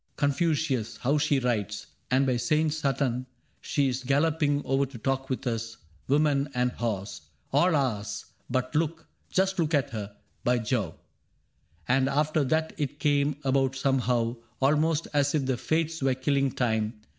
Confucius, how she rides ! And by Saint Satan, She 's galloping over to talk with us, woman and horse All ours! But look — just look at her! — By Jove !'..•^^ And after that it came about somehow. Almost as if the Fates were killing time.